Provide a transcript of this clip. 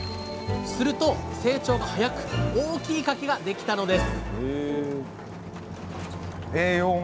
すると成長が早く大きいかきができたのです